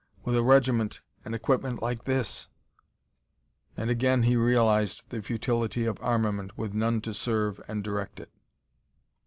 With a regiment, and equipment like this " And again he realized the futility of armament with none to serve and direct it.